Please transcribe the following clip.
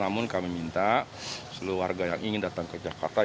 namun kami minta seluruh warga yang ingin datang ke jakarta